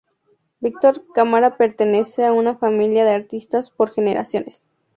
Víctor Cámara pertenece a una familia de artistas por generaciones.